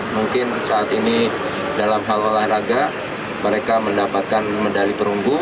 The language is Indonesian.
mungkin saat ini dalam hal olahraga mereka mendapatkan medali perunggu